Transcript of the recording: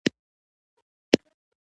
ګیلاس د خندا شېبې تودوي.